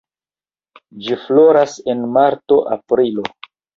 Ĝi floras en marto-aprilo.